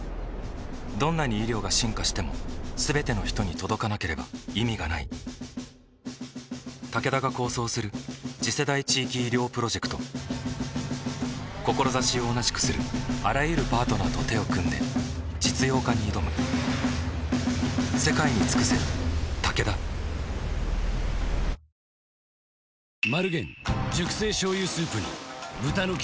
どんなに医療が進化しても全ての人に届かなければ意味がないタケダが構想する次世代地域医療プロジェクト志を同じくするあらゆるパートナーと手を組んで実用化に挑む速報です。